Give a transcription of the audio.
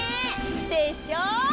でしょ！